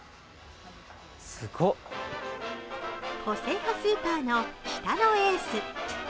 個性派スーパーの北野エース。